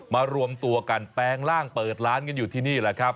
รวมตัวกันแปลงร่างเปิดร้านกันอยู่ที่นี่แหละครับ